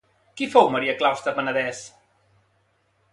Qui fou Maria Claustre Panadés?